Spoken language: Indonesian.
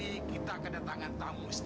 oh tidak apa apa mas